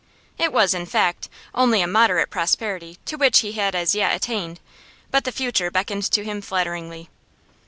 It was, in fact, only a moderate prosperity to which he had as yet attained, but the future beckoned to him flatteringly.